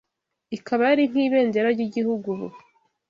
ikaba yari nk’ibendera ry’igihugu ubu